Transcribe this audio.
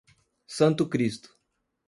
Santo Cristo